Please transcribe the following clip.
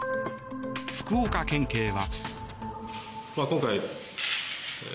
福岡県警は。